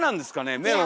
メロンも。